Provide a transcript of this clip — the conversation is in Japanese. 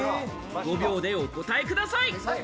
５秒でお答えください。